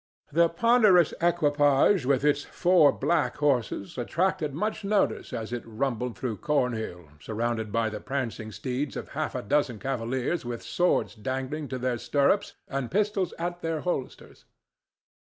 The ponderous equipage, with its four black horses, attracted much notice as it rumbled through Cornhill surrounded by the prancing steeds of half a dozen cavaliers with swords dangling to their stirrups and pistols at their holsters.